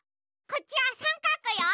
こっちはさんかくよ。